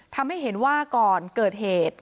ทำให้เห็นว่าก่อนเกิดเหตุ